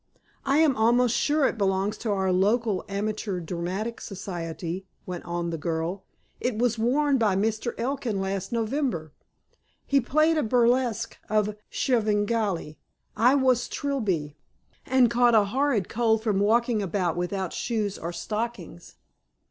"I am almost sure it belongs to our local Amateur Dramatic Society," went on the girl. "It was worn by Mr. Elkin last November. He played a burlesque of Svengali. I was Trilby, and caught a horrid cold from walking about without shoes or stockings."